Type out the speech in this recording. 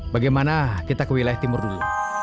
bagaimana kita ke wilayah timur dulu